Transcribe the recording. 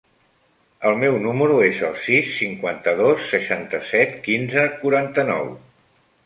El meu número es el sis, cinquanta-dos, seixanta-set, quinze, quaranta-nou.